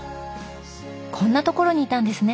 こんな所にいたんですね。